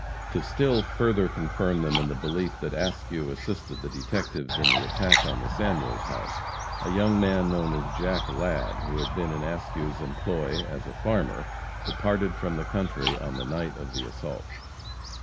To still further confirm them in the belief that Askew assisted the detectives in the attack on the Samuels house, a young man known as Jack Ladd, who had been in Askew's employ as a farmer, departed from the country on the night of the assault.